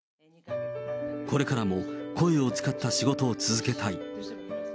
これからも、声を使った仕事を続けたい。